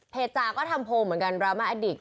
จากก็ทำโพลเหมือนกันดราม่าแอดดิก